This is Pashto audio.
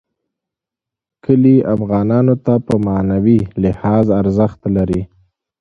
کلي افغانانو ته په معنوي لحاظ ارزښت لري.